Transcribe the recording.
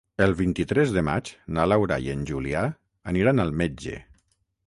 El vint-i-tres de maig na Laura i en Julià aniran al metge.